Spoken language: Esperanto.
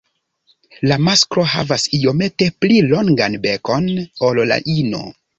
La masklo havas iomete pli longan bekon ol la ino.